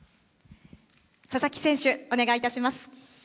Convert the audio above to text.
佐々木選手、お願いいたします。